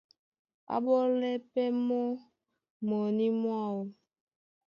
Á ɓole pɛ́ mɔ́ mɔní mwáō.